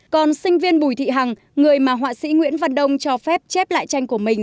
còn sinh viên bùi thị hằng người mà họa sĩ nguyễn văn đông cho phép chép lại tranh của mình